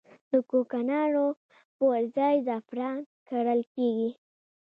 د کوکنارو پر ځای زعفران کرل کیږي